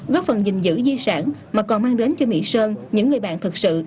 góp phần dình dữ di sản mà còn mang đến cho mỹ sơn những người bạn thật sự